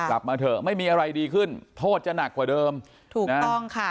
กลับมาเถอะไม่มีอะไรดีขึ้นโทษจะหนักกว่าเดิมถูกต้องค่ะ